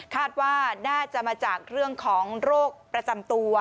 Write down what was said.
คาดว่าน่าจะมาจากเรื่องของโรคประจำตัว